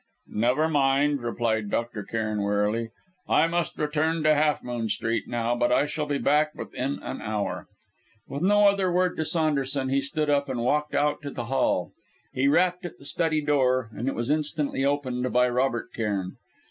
"Never mind," replied Dr. Cairn wearily. "I must return to Half Moon Street, now, but I shall be back within an hour." With no other word to Saunderson, he stood up and walked out to the hall. He rapped at the study door, and it was instantly opened by Robert Cairn.